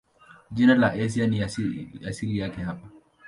Jina la Asia lina asili yake hapa.